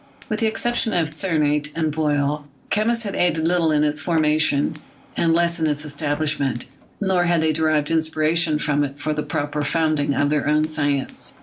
With the exception of Sennert and Boyle, chemists had aided little in its form ulation and less in its establishment, nor had they derived inspiration from it for the proper founding of their own science.